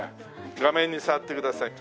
「画面に触ってください」